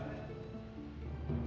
tahu gua minta